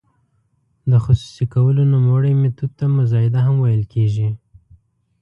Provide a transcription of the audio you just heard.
د خصوصي کولو نوموړي میتود ته مزایده هم ویل کیږي.